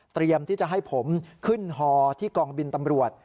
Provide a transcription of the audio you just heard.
ที่จะให้ผมขึ้นฮอที่กองบินตำรวจ